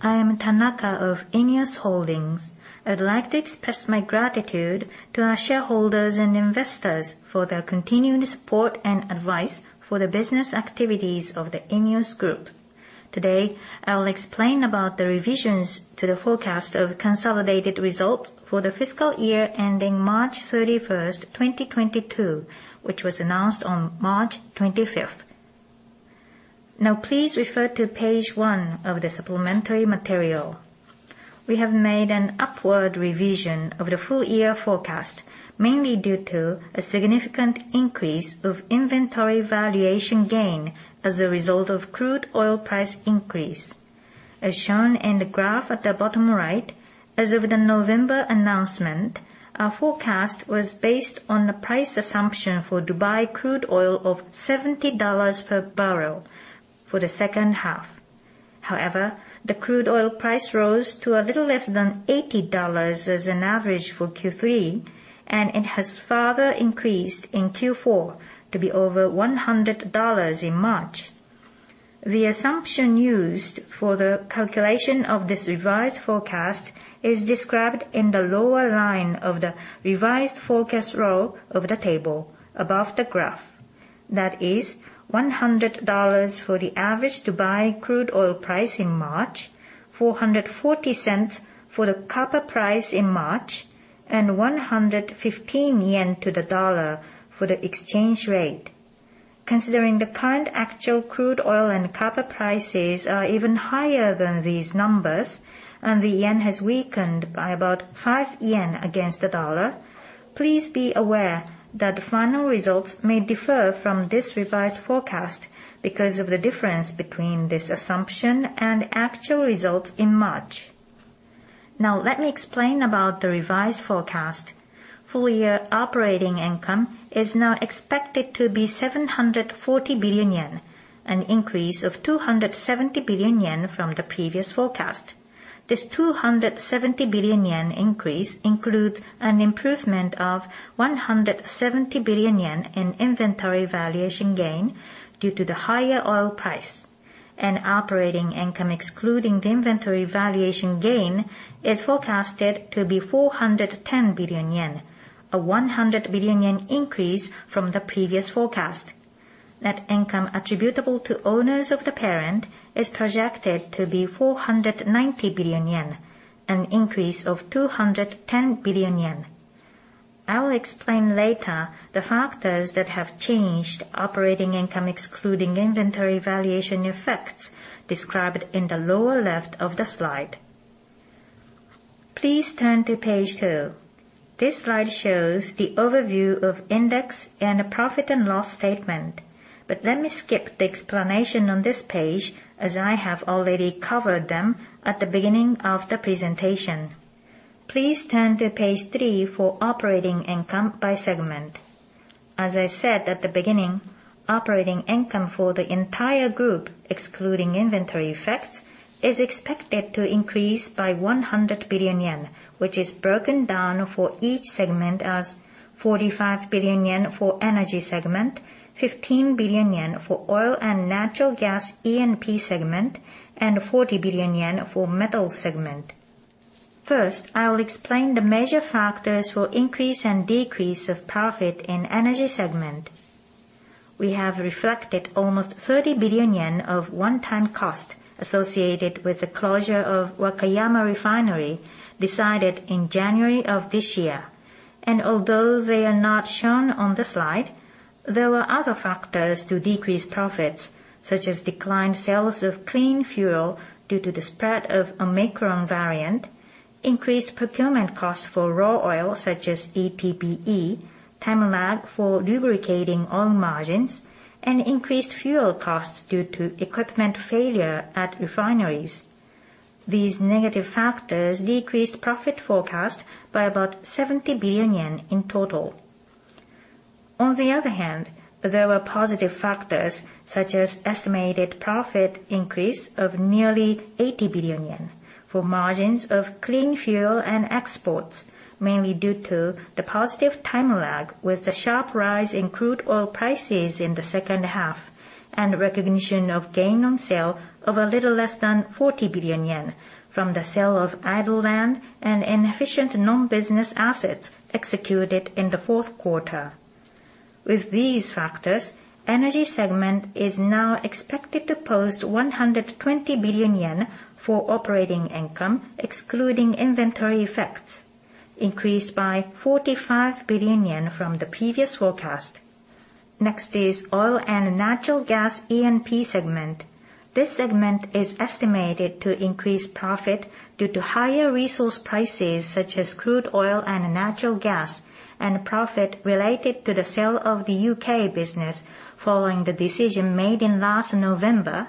I am Tanaka of ENEOS Holdings. I'd like to express my gratitude to our shareholders and investors for their continued support and advice for the business activities of the ENEOS Group. Today, I will explain about the revisions to the forecast of consolidated results for the fiscal year ending March 31st, 2022, which was announced on March 25th. Now, please refer to page one of the supplementary material. We have made an upward revision of the full year forecast, mainly due to a significant increase of inventory valuation gain as a result of crude oil price increase. As shown in the graph at the bottom right, as of the November announcement, our forecast was based on the price assumption for Dubai crude oil of $70 per barrel for the second half. However, the crude oil price rose to a little less than $80 as an average for Q3, and it has further increased in Q4 to be over $100 in March. The assumption used for the calculation of this revised forecast is described in the lower line of the revised forecast row of the table above the graph. That is $100 for the average Dubai crude oil price in March, $4.40 for the copper price in March, and 115 yen to the dollar for the exchange rate. Considering the current actual crude oil and copper prices are even higher than these numbers, and the yen has weakened by about 5 yen against the dollar, please be aware that the final results may differ from this revised forecast because of the difference between this assumption and actual results in March. Now, let me explain about the revised forecast. Full-year operating income is now expected to be 740 billion yen, an increase of 270 billion yen from the previous forecast. This 270 billion yen increase includes an improvement of 170 billion yen in inventory valuation gain due to the higher oil price. Operating income excluding the inventory valuation gain is forecasted to be 410 billion yen, a 100 billion yen increase from the previous forecast. Net income attributable to owners of the parent is projected to be 490 billion yen, an increase of 210 billion yen. I will explain later the factors that have changed operating income excluding inventory valuation effects described in the lower left of the slide. Please turn to page two. This slide shows the overview of index and a profit and loss statement. Let me skip the explanation on this page as I have already covered them at the beginning of the presentation. Please turn to page three for operating income by segment. As I said at the beginning, operating income for the entire group, excluding inventory effects, is expected to increase by 100 billion yen, which is broken down for each segment as 45 billion yen for Energy segment, 15 billion yen for Oil and Natural Gas E&P segment, and 40 billion yen for Metals segment. First, I will explain the major factors for increase and decrease of profit in Energy segment. We have reflected almost 30 billion yen of one-time cost associated with the closure of Wakayama Refinery decided in January of this year. Although they are not shown on the slide, there were other factors to decrease profits, such as declined sales of clean fuel due to the spread of Omicron variant, increased procurement costs for crude oil, such as E&P, time lag for lubricating oil margins, and increased fuel costs due to equipment failure at refineries. These negative factors decreased profit forecast by about 70 billion yen in total. On the other hand, there were positive factors, such as estimated profit increase of nearly 80 billion yen for margins of clean fuel and exports, mainly due to the positive time lag with the sharp rise in crude oil prices in the second half and recognition of gain on sale of a little less than 40 billion yen from the sale of idle land and inefficient non-business assets executed in the fourth quarter. With these factors, Energy Segment is now expected to post 120 billion yen for operating income, excluding inventory effects, increased by 45 billion yen from the previous forecast. Next is Oil and Natural Gas E&P Segment. This segment is estimated to increase profit due to higher resource prices, such as crude oil and natural gas, and profit related to the sale of the U.K. business following the decision made in last November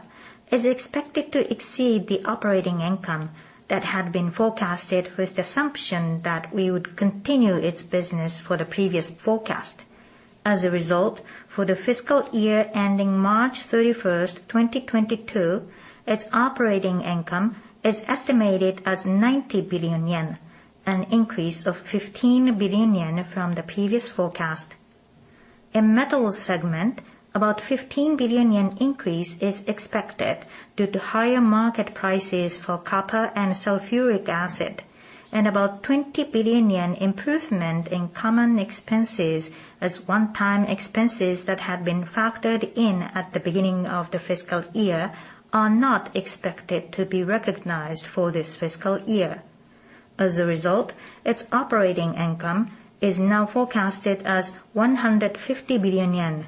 is expected to exceed the operating income that had been forecasted with the assumption that we would continue its business for the previous forecast. As a result, for the fiscal year ending March 31st, 2022, its operating income is estimated as 90 billion yen, an increase of 15 billion yen from the previous forecast. In Metals segment, about 15 billion yen increase is expected due to higher market prices for copper and sulfuric acid and about 20 billion yen improvement in common expenses as one-time expenses that had been factored in at the beginning of the fiscal year are not expected to be recognized for this fiscal year. As a result, its operating income is now forecasted as 150 billion yen,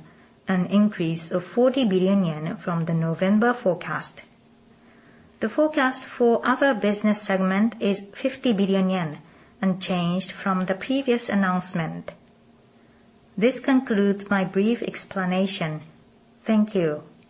an increase of 40 billion yen from the November forecast. The forecast for Other Business segment is 50 billion yen, unchanged from the previous announcement. This concludes my brief explanation. Thank you.